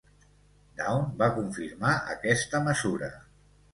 "Dawn" va confirmar aquesta mesura.